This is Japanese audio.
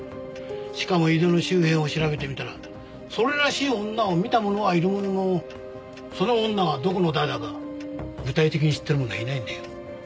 しかも井出の周辺を調べてみたらそれらしい女を見た者はいるもののその女がどこの誰だか具体的に知ってる者はいないんだよ。